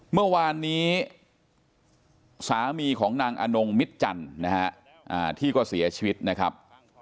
เมื่อวานนี้สามีของนางอนงมิตจันทร์นะฮะที่ก็เสียชีวิตนะครับ